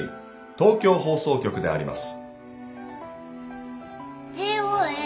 東京放送局であります。